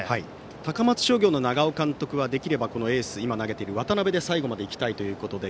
高松商業の長尾監督はできればエースの今投げている渡辺で最後まで行きたいというところで。